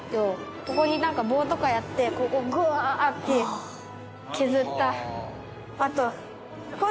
ここになんか棒とかやってここグワーッて削った跡。